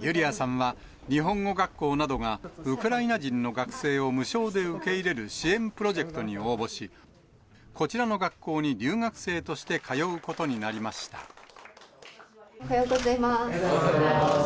ユリアさんは日本語学校などがウクライナ人の学生を無償で受け入れる支援プロジェクトに応募し、こちらの学校に留学生として通うおはようございます。